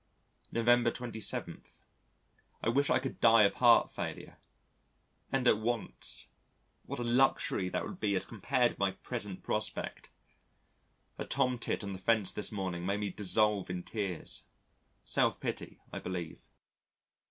November 27. ... I wish I could die of heart failure and at once! What a luxury that would be as compared with my present prospect! A Tomtit on the fence this morning made me dissolve in tears: self pity I believe.